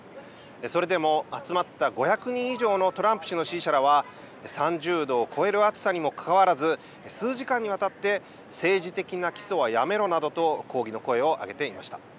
それでも集まった５００人以上のトランプ氏の支持者らは、３０度を超える暑さにもかかわらず、数時間にわたって政治的な起訴はやめろなどと抗議の声を上げていました。